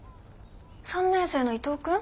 ３年生の伊藤君？